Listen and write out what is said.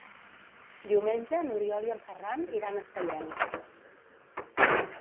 Diumenge n'Oriol i en Ferran iran a Estellencs.